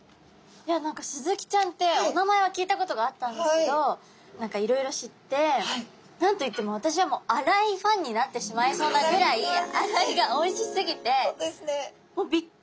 いや何かスズキちゃんってお名前は聞いたことがあったんですけど何かいろいろ知って何と言っても私はもう洗いファンになってしまいそうなぐらい洗いがおいしすぎてもうびっくりでした。